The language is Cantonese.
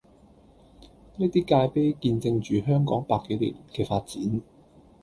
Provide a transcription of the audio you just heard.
呢啲界碑見證住香港百幾年嘅發展